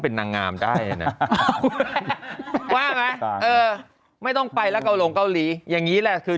เป็นนางงามได้นะไม่ต้องไปแล้วเขาลงเกาหลีอย่างนี้แหละคือ